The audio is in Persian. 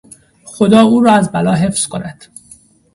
خدا او را از بلا حفظ کند!